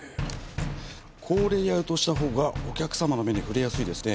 こうレイアウトした方がお客様の目に触れやすいですね。